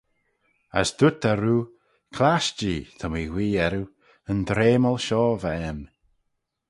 As dooyrt eh roo, Clasht-jee, ta mee guee erriu, yn dreamal shoh va aym.